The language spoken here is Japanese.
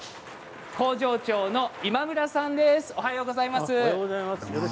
工場長の今村さんです。